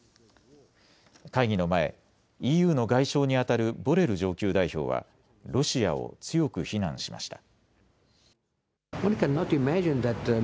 会議の前、ＥＵの外相にあたるボレル上級代表はロシアを強く非難しました。